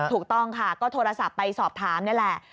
ถูกต้องค่ะก็โทรศัพท์ไปสอบถามนี่แหละ